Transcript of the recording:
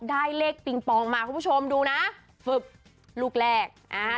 ได้เลขปิงปองมาคุณผู้ชมดูนะฝึกลูกแรกอ่า